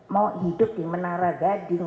mau hidup di menara gading